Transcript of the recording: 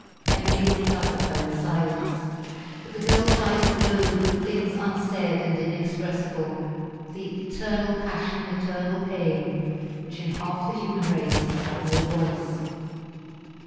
Emily looked up at her in silence. But the girl's eyes glowed with things unsaid and inexpressible the "eternal passion, eternal pain," which in half the human race have no voice.